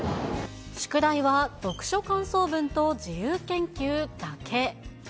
宿題は読書感想文と自由研究だけ。